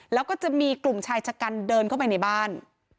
แล้วก็จะมีกลุ่มชายชะกันเดินเข้าไปในบ้าน